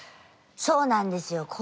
そうなんですよ